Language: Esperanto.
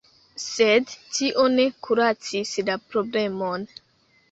Sed tio ne kuracis la problemon.